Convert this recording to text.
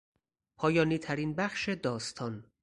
پایانیترین بخش داستان